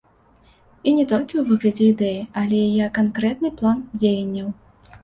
І не толькі ў выглядзе ідэі, але і як канкрэтны план дзеянняў.